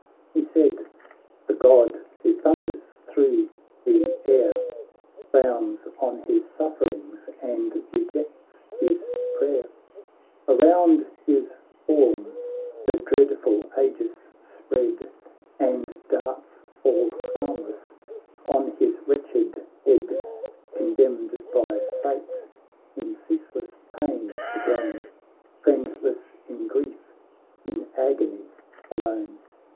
' He said — the God who thunders thro' the air Frowns on his sufferings and rejects his prayer ; Around his form the dreadful Aegis spread. And darts fall harmless on his wretched head ; Condemned by fate in ceaseless pain to groan, Friendless in grief, in agony alone.